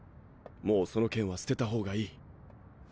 もうその剣は捨てた方がいい。